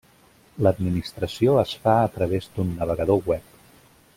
L'administració es fa a través d'un navegador web.